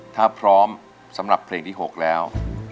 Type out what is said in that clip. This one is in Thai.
ถ้าพร้อมสำหรับเพลงที่๖แล้ว